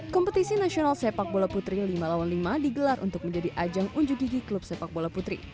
kompetisi nasional sepak bola putri lima lawan lima digelar untuk menjadi ajang unjuk gigi klub sepak bola putri